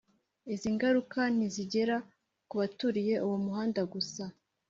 Izingaruka ntizigera ku baturiye uwo muhanda gusa